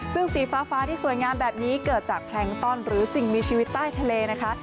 ซึ่งสีฟ้าที่สวยงามแบบนี้เกิดจากแพลงต้อนหรือสิ่งมีชีวิตใต้ทะเลนะคะ